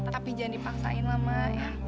tapi jangan dipangsain ma ya